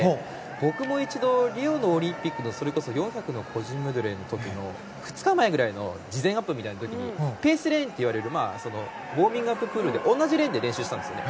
僕も一度、リオのオリンピックの４００ｍの個人メドレーの時の２日前の時の事前アップの時にペースレーンといわれるウォーミングアッププールで同じレーンで練習したんですね。